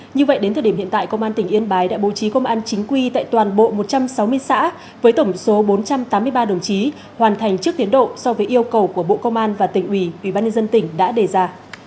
như vậy đến thời điểm hiện tại công an tỉnh yên bái đã bố trí công an chính quy tại toàn bộ một trăm sáu mươi xã với tổng số bốn trăm tám mươi ba đồng chí hoàn thành trước tiến độ so với yêu cầu của bộ công an và tỉnh ủy ủy ban nhân dân tỉnh đã đề ra